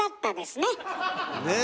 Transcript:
ねえ？